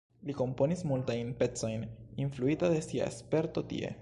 Li komponis multajn pecojn influita de sia sperto tie.